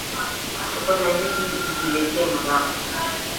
Chokoza nyuki ujiletee madhara